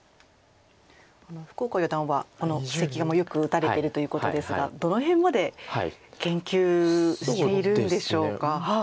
福岡四段はこの布石をよく打たれてるということですがどの辺まで研究しているんでしょうか。